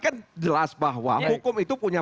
kan jelas bahwa hukum itu punya